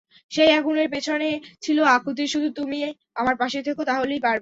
সেই আগুনের পেছনে ছিল আকুতি শুধু তুমি আমার পাশে থেকো, তাহলেই পারব।